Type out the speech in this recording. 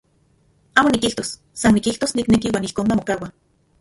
Amo nikijtos, san nikijtos nikneki uan ijkon mamokaua.